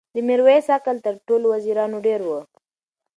د میرویس عقل تر ټولو وزیرانو ډېر و.